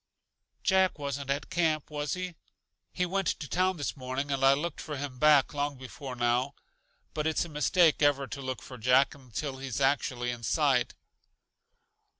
"Jack wasn't at camp, was he? He went to town this morning, and I looked for hi back long before now. But it's a mistake ever to look for Jack until he's actually in sight."